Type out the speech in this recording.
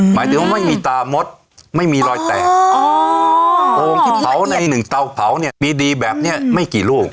หมายถึงว่าไม่มีตามดไม่มีรอยแตกโอ่งที่เผาในหนึ่งเตาเผาเนี่ยดีแบบนี้ไม่กี่ลูก